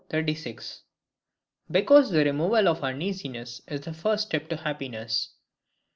Because the Removal of Uneasiness is the first Step to Happiness.